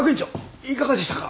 いかがでしたか？